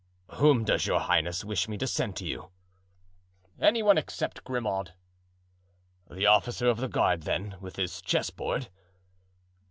"Whom does your highness wish me to send to you?" "Any one, except Grimaud." "The officer of the guard, then, with his chessboard?"